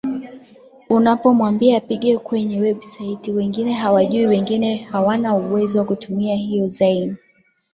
unapomwambia apige kwenye website wengine hawaijui wengine hawana uwezo wa kutumia hiyo zain